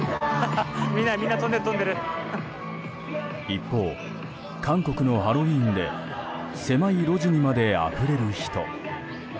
一方、韓国のハロウィーンで狭い路地にまであふれる人。